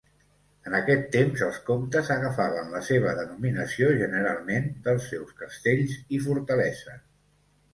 En aquest temps els comtes agafaven la seva denominació generalment dels seus castells i fortaleses.